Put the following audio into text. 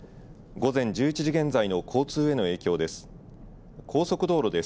午前１１時現在の交通への影響です。